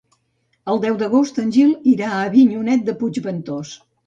El deu d'agost en Gil irà a Avinyonet de Puigventós.